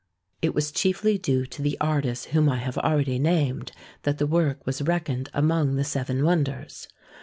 It was chiefly due to the artists whom I have already named that the work was reckoned among the seven wonders.